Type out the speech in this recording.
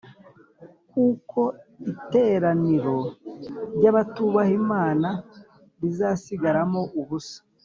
“kuko iteraniro ry’abatubaha imana rizasigaramo ubusa,